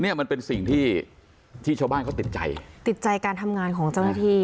เนี้ยมันเป็นสิ่งที่ที่ชาวบ้านเขาติดใจติดใจการทำงานของเจ้าหน้าที่